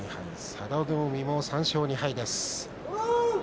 佐田の海も３勝２敗です。